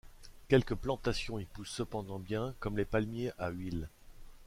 Quelques plantations y poussent cependant bien comme les palmiers à huile.